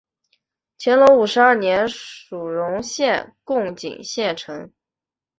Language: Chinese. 乾隆五十二年署荣县贡井县丞。